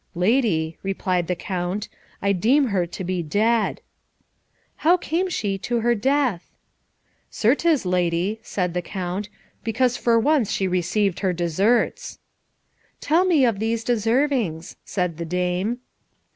"Lady," replied the Count, "I deem her to be dead." "How came she to her death?" "Certes, lady," said the Count, "because for once she received her deserts." "Tell me of these deservings," said the dame.